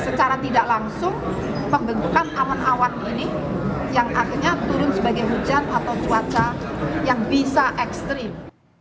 secara tidak langsung pembentukan awan awan ini yang akhirnya turun sebagai hujan atau cuaca yang bisa ekstrim